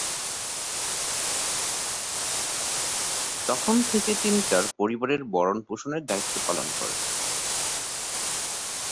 তখন থেকে তিনি তার পরিবারে ভরণপোষণের দায়িত্ব পালন করেন।